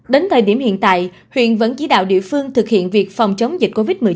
đến thời điểm hiện tại huyện vẫn chỉ đạo địa phương thực hiện việc phòng chống dịch covid một mươi chín